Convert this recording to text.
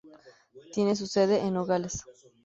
Tiene su sede en Nogales.